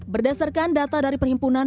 berdasarkan data dari perhimpunan